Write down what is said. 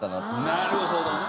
なるほどね。